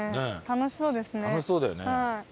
楽しそうだよね。